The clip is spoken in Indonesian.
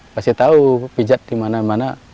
pasti tahu pijat di mana mana